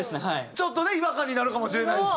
ちょっとね違和感になるかもしれないし。